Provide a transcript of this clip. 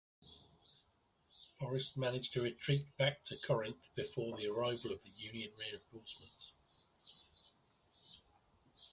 Forrest managed to retreat back to Corinth before the arrival of Union reinforcements.